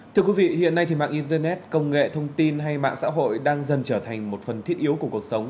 thưa quý vị hiện nay thì mạng internet công nghệ thông tin hay mạng xã hội đang dần trở thành một phần thiết yếu của cuộc sống